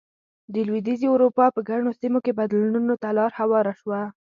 د لوېدیځې اروپا په ګڼو سیمو کې بدلونونو ته لار هواره شوه.